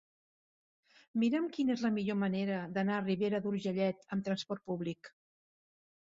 Mira'm quina és la millor manera d'anar a Ribera d'Urgellet amb trasport públic.